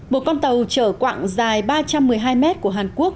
một con tàu chở quặng dài ba trăm một mươi hai mét của hàn quốc